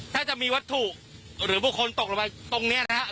ถ้าจะมีวัตถุหรือผู้คนตกลงไปตรงนี้นะครับ